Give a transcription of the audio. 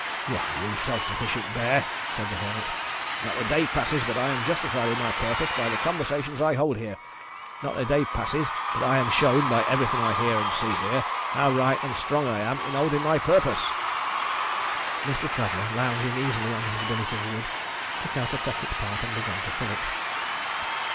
"Why, you self sufficient bear," said the Hermit, "not a day passes but I am justified in my purpose by the conversations I hold here; not a day passes but I am shown, by everything I hear and see here, how right and strong I am in holding my purpose." Mr. Traveller, lounging easily on his billet of wood, took out a pocket pipe and began to fill it.